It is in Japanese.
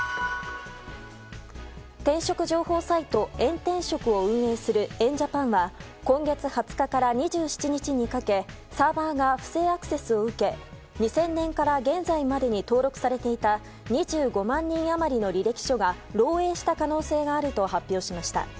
転職情報サイトエン転職を運営するエン・ジャパンは今月２０日から２７日にかけサーバーが不正アクセスを受け２０００年から現在までに登録されていた２５万人余りの履歴書が漏洩した可能性があると発表しました。